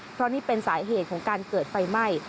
เพราะนี่เป็นสาเหตุของการเกิดไฟไหม้